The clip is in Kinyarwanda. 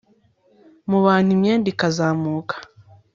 mu bantu imyenda ikazamuka